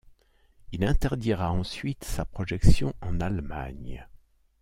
Il interdira ensuite sa projection en Allemagne.